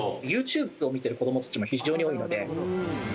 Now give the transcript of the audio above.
ＹｏｕＴｕｂｅを見てる子供たちも非常に多いので。